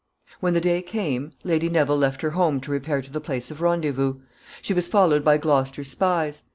When the day came, Lady Neville left her home to repair to the place of rendezvous. She was followed by Gloucester's spies.